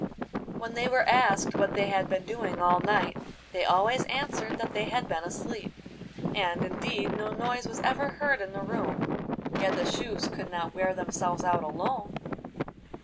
When they were asked what they had been doing all night, they always answered that they had been asleep; and, indeed, no noise was ever heard in the room, yet the shoes could not wear themselves out alone!